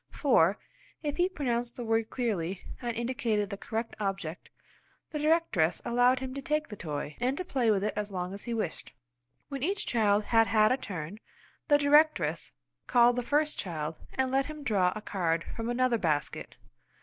For, if he pronounced the word clearly and indicated the correct object, the directress allowed him to take the toy, and to play with it as long as he wished. When each child had had a turn, the directress called the first child and let him draw a card from another basket.